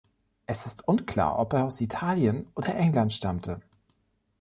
Es ist unklar, ob er aus Italien oder England stammte.